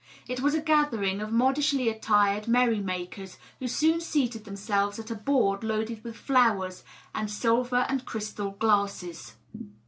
It was a gathering of modishly attired merry makers who soon seated themselves at a board loaded with flowers and silver and crystal glasses.